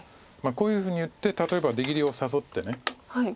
こういうふうに打って例えば出切りを誘って。